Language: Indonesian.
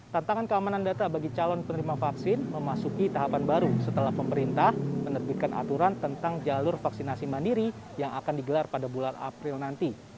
tantangan keamanan data bagi calon penerima vaksin memasuki tahapan baru setelah pemerintah menerbitkan aturan tentang jalur vaksinasi mandiri yang akan digelar pada bulan april nanti